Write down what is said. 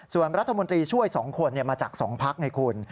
ส่วนรัฐมนตรีช่วย๒คนมาจาก๒พักไงคุณ